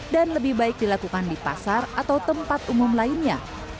dan lebih baik dilakukan di pasar atau tempat umum lainnya